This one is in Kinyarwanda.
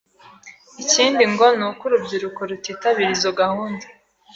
Ikindi ngo ni uko urubyiruko rutitabira izo gahunda